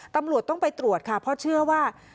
ตำรวจต้องไปตรวจค่ะเพราะเชื่อว่า